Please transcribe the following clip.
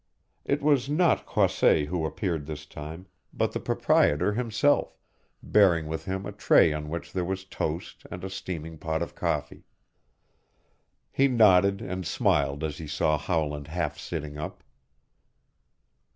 It was not Croisset who appeared this time, but the proprietor himself, bearing with him a tray on which there was toast and a steaming pot of coffee. He nodded and smiled as he saw Howland half sitting up.